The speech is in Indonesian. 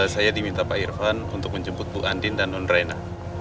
saya diminta pak irvan untuk menjemput bu andin dan nonrena